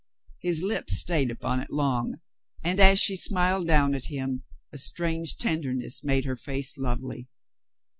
His lips stayed upon it long, and as she smiled down at him a strange tenderness made her face lovely.